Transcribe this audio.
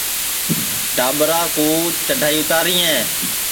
ٹاٻرا کُو چڈھائی اُتاریں